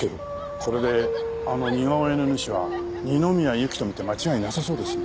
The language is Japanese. これであの似顔絵の主は二宮ゆきと見て間違いなさそうですね。